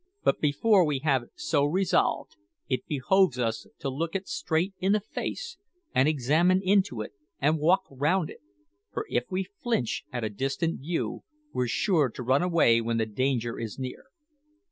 But before we have so resolved, it behoves us to look it straight in the face, and examine into it, and walk round it; for if we flinch at a distant view, we're sure to run away when the danger is near.